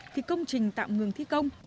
thì công trình tạm ngừng thi công